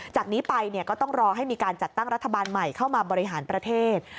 จากนี้ไปก็ต้องรอให้มีการจัดตั้งรัฐบาลใหม่เข้ามาบริหารประเทศ